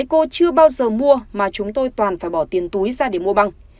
cô chưa bao giờ mua mà chúng tôi toàn phải bỏ tiền túi ra để mua băng